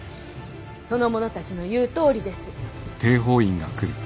その者たちの言うとおりです。